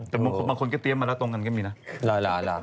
แต่บางคนก็เตรียมมาแล้วตรงกันก็มีนะ